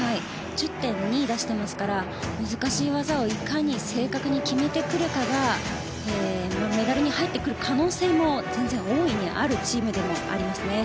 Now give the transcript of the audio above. １０．２を出してますから難しい技をいかに正確に決めてくるかがメダルに入ってくる可能性も全然大いにあるチームでもありますね。